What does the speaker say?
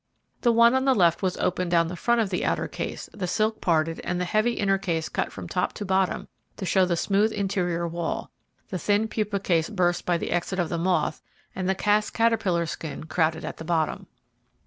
The one on the left was opened down the front of the outer case, the silk parted and the heavy inner case cut from top to bottom to show the smooth interior wall, the thin pupa case burst by the exit of the moth, and the cast caterpillar skin crowded at the bottom.